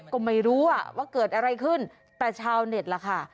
ก็ไม่รู้อ่ะว่าเกิดอะไรขึ้นแต่ชาวเน็ตล่ะค่ะ